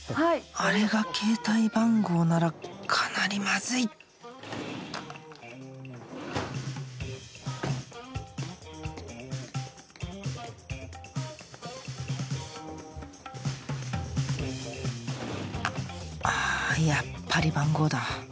あれが携帯番号ならかなりマズいあやっぱり番号だ